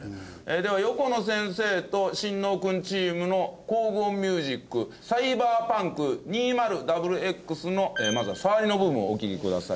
では横野先生と神農君チームの工具音ミュージック『サイバーパンク２０ＸＸ』のまずは触りの部分をお聞きください。